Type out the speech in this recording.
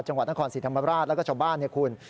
จังหวัดนครสิทธิ์ธรรมราชแล้วก็ช่วงบ้าน